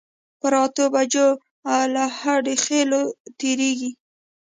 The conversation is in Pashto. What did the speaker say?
پر اتو بجو له هودخېلو تېرېږي.